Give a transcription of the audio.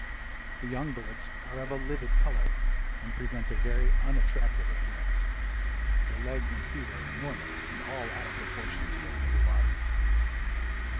The young birds are of a livid color and present a very unattractive appearance. Their legs and feet are enormous and all out of proportion to their little bodies.